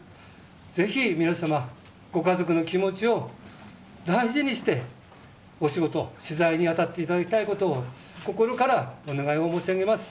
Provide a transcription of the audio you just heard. ぜひ皆様、ご家族の気持ちを大事にしてお仕事、取材に当たっていただきたいことを心からお願いを申し上げます。